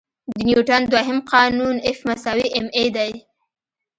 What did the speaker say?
د نیوټن دوهم قانون F=ma دی.